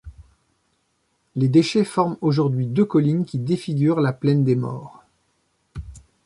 Les déchets forment aujourd'hui deux collines qui défigurent la plaine des Maures.